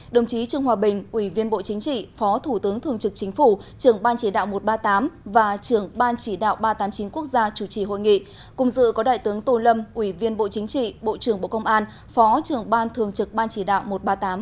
đồng chí trương hòa bình ủy viên bộ chính trị phó thủ tướng thường trực chính phủ trưởng ban chỉ đạo một trăm ba mươi tám và trưởng ban chỉ đạo ba trăm tám mươi chín quốc gia chủ trì hội nghị cùng dự có đại tướng tô lâm ủy viên bộ chính trị bộ trưởng bộ công an phó trưởng ban thường trực ban chỉ đạo một trăm ba mươi tám